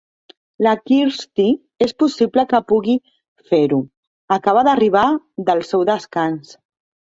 La Kirsty és possible que pugui fer-ho; acaba d'arribar del seu descans.